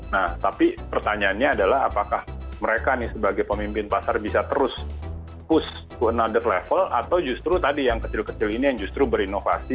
nah tapi pertanyaannya adalah apakah mereka nih sebagai pemimpin pasar bisa terus push to anoth level atau justru tadi yang kecil kecil ini yang justru berinovasi